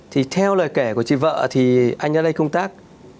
thì theo lời kể của chị vợ thì anh ra đây công tác